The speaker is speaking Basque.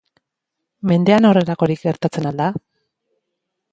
Mendean horrelakorik gertatzen al da?